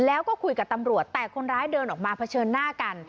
แล้วก็คุยกับตำรวจแต่คนร้ายเดินออกมาเผชิญหน้ากัน